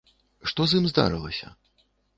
Што з ім здарылася?